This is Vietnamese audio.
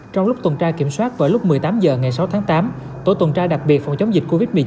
trong lúc tuần tra kiểm soát vào lúc một mươi tám h ngày sáu tháng tám tổ tuần tra đặc biệt phòng chống dịch covid một mươi chín